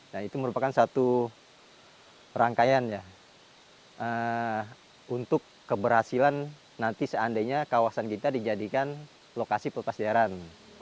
nah itu merupakan satu rangkaian ya untuk keberhasilan nanti seandainya kawasan kita dijadikan lokasi pelepas daerah